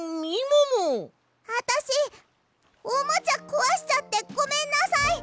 あたしおもちゃこわしちゃってごめんなさい！